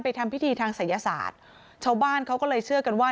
ทำพิธีทางศัยศาสตร์ชาวบ้านเขาก็เลยเชื่อกันว่า